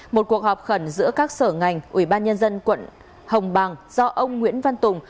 một cuộc họp khẩn giữa các sở ngành ủy ban nhân dân quận hồng bàng do ông nguyễn văn tùng